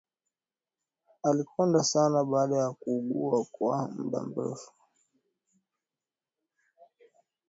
Alikonda sana baada ya kuugua kwa muda mrefu